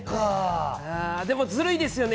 ずるいですよね。